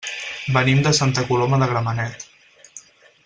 Venim de Santa Coloma de Gramenet.